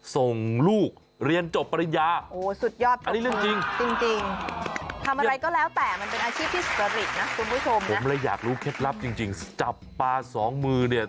ผมเลยอยากรู้เคล็ดลับจริงจับปลาสองมือเนี่ย